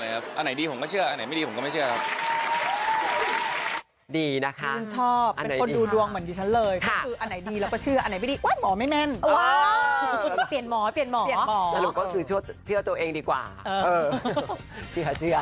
อันไหนดีผมก็เชื่ออันไหนไม่ดีผมก็ไม่เชื่อครับ